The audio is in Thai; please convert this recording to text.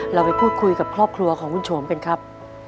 เราไปพูดคุยกับครอบครัวของคุณโฉมกันครับ